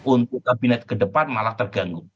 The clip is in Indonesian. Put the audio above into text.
untuk kabinet ke depan malah terganggu